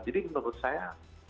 jadi menurut saya